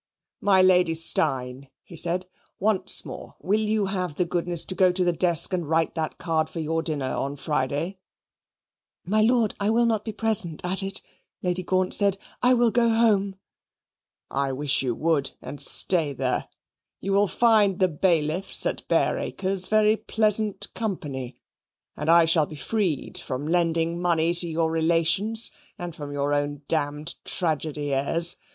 "My Lady Steyne," he said, "once more will you have the goodness to go to the desk and write that card for your dinner on Friday?" "My Lord, I will not be present at it," Lady Gaunt said; "I will go home." "I wish you would, and stay there. You will find the bailiffs at Bareacres very pleasant company, and I shall be freed from lending money to your relations and from your own damned tragedy airs.